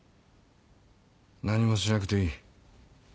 何もしなくていい。